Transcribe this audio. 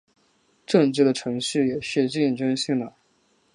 政治的程序也是竞争性的。